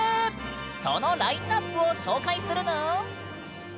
そのラインナップを紹介するぬん！